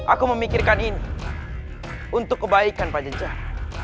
aku memikirkan ini untuk kebaikan pak jencar